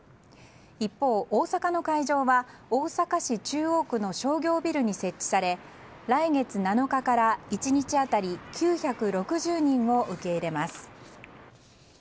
一方、大阪の会場は大阪市中央区の商業ビルに設置され来月７日から１日当たり９６０人を受け入れます。